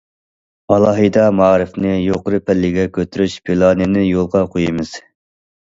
ئالاھىدە مائارىپنى يۇقىرى پەللىگە كۆتۈرۈش پىلانىنى يولغا قويىمىز.